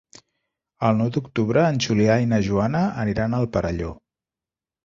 El nou d'octubre en Julià i na Joana aniran al Perelló.